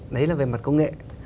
đấy là về mặt công nghệ